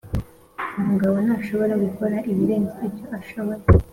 umugabo ntashobora gukora ibirenze ibyo ashoboye.